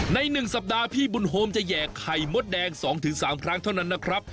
ใน๑สัปดาห์พี่บุญโฮมจะแห่ไข่มดแดง๒๓ครั้งเท่านั้นนะครับ